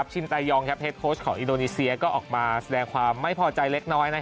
ชินตายองเฮดโค้ชของอินโดนีเซียก็ออกมาแสดงความไม่พอใจเล็กน้อย